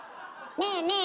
ねえねえ